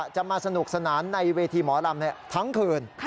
จะมาสนุกสนานในเวทีหมอลำทั้งคืน